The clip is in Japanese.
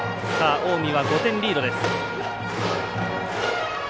近江は、５点リードです。